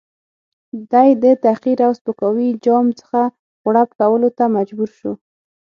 دی د تحقیر او سپکاوي جام څخه غوړپ کولو ته مجبور شو.